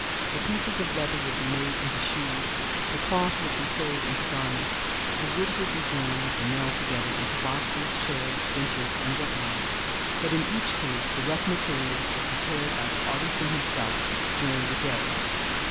The pieces of leather would be made into shoes; the cloth would be sewed into garments; the wood would be joined, and nailed together into boxes, chairs, benches and what not. But in each case the rough materials were prepared by the artisan himself during the day.